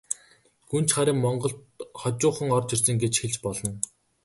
Гүнж харин монголд хожуухан орж ирсэн гэж хэлж болно.